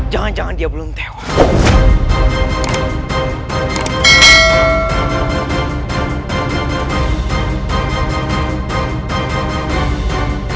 jangan jangan dia belum tewas